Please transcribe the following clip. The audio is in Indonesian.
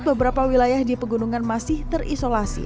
beberapa wilayah di pegunungan masih terisolasi